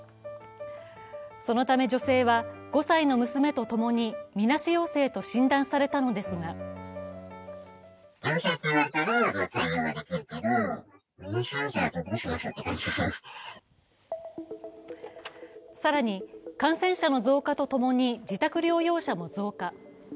そのため女性は５歳の娘と共にみなし陽性と診断されたのですが更に、感染者の増加とともに自宅療養者も増加。